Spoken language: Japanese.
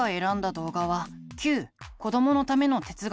動画は「Ｑこどものための哲学」。